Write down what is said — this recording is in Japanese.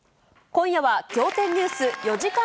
今夜は仰天ニュース４時間